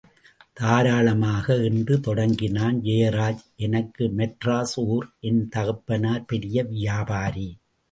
தாராளமாக! என்று தொடங்கினான் ஜெயராஜ், எனக்கு மெட்ராஸ் ஊர்.என் தகப்பனார் பெரிய வியாபாரி.